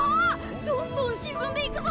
どんどん沈んでいくぞ。